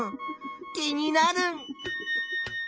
気になる。